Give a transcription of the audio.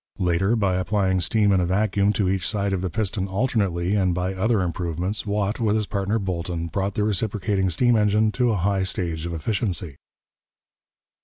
Later, by applying steam and a vacuum to each side of the piston alternately, and by other improvements, Watt, with his partner Boulton, brought the reciprocating steam engine to a high stage of efficiency.